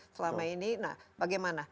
selama ini nah bagaimana